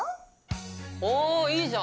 おおいいじゃん！